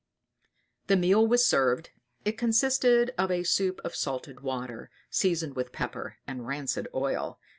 The meal was served. It consisted of a soup of salted water, seasoned with pepper and rancid oil.